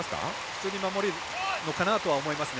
普通に守るかなと思います。